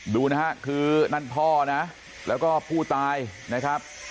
ดูนะฮะคือนั่นพ่อนะแล้วก็ผู้ตายนะครับ